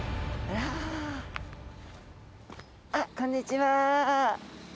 あらこんにちは。